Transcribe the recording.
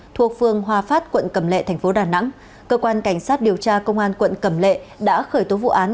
thuộc phương hòa phát quận cầm lệ thành phố đà nẵng cơ quan cảnh sát điều tra công an quận cầm lệ đã khởi tố vụ án